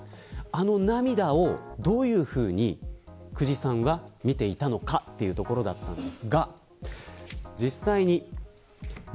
あの涙をどういうふうに久慈さんは見ていたのかというところです。